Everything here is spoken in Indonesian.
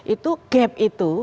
itu gap itu